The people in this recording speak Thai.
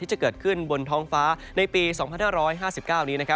จะเกิดขึ้นบนท้องฟ้าในปี๒๕๕๙นี้